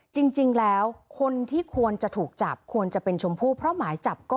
จริงแล้วคนที่ควรจะถูกจับควรจะเป็นชมพู่เพราะหมายจับก็